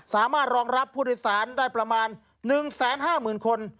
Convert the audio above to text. สามารถรองรับผู้โดยสารได้ประมาณ๑๕๐๐๐คน